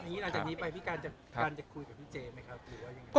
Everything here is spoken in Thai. อันนี้หลังจากนี้ไปพี่กัลจะคุยกับพี่เจมส์ไหมครับ